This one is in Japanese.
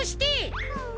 うん。